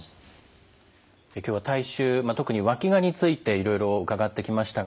今日は体臭特にわきがについていろいろ伺ってきました。